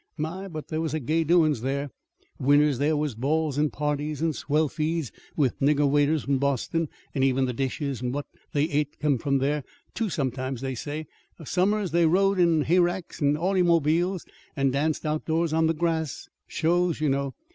My, but there was gay doin's there! Winters there was balls and parties and swell feeds with nigger waiters from Boston, and even the dishes and what they et come from there, too, sometimes, they say. Summers they rode in hayracks and autymobiles, and danced outdoors on the grass shows, you know.